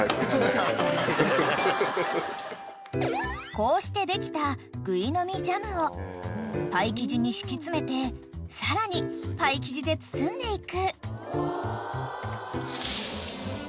［こうしてできたグイの実ジャムをパイ生地に敷き詰めてさらにパイ生地で包んでいく］